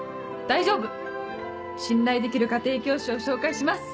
信頼できる家庭教師を紹介します。